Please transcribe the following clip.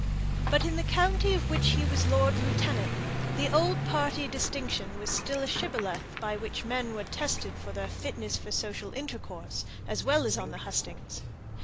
But in the county of which he was lord lieutenant, the old party distinction was still a shibboleth by which men were tested as to their fitness for social intercourse, as well as on the hustings.